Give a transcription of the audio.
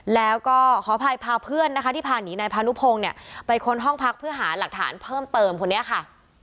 แล้วก็ขออภัยพาเพื่อนนะคะที่พาหนีนายพานุพงศ์เนี่ยไปค้นห้องพักเพื่อหาหลักฐานเพิ่มเติมคนนี้ค่ะ